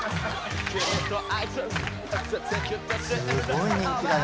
すごい人気だ、でも。